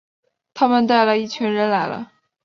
他们带了一群人来了